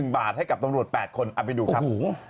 ๑บาทให้กับตำรวจ๘คนเอาไปดูครับ